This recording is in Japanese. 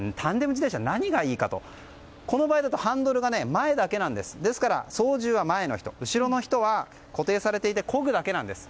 自転車何がいいかといいますとこの場合だとハンドルが前だけなので操縦は前の人後ろの人は、固定されていてこぐだけなんです。